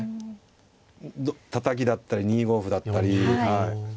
たたきだったり２五歩だったり。